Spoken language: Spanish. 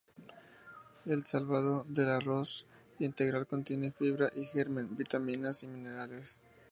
El salvado del arroz integral contiene fibra y el germen, vitaminas y minerales.